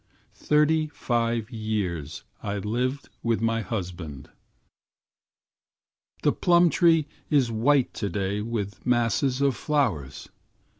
Thirtyfive years I lived with my husband. The plumtree is white today with masses of flowers.